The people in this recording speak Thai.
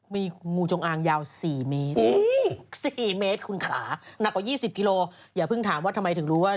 มีงูจงอางยาว๔เมตร๔เมตรคุณขาหนักกว่า๒๐กิโลอย่าเพิ่งถามว่าทำไมถึงรู้ว่า